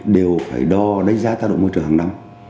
đều phải đo đánh giá tác động môi trường hàng năm